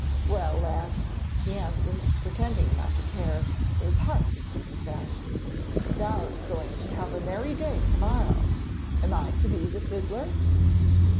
'Well, lass,' he answered, pretending not to care, though his heart was beating fast; 'thou's going to have a merry day to morrow; am I to be the fiddler?'